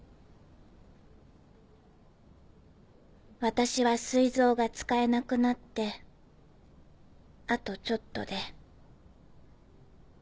私は膵臓が使えなくなってあとちょっとで。